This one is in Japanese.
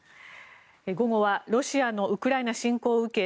午後はロシアのウクライナ侵攻を受け